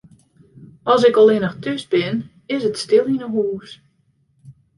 As ik allinnich thús bin, is it stil yn 'e hûs.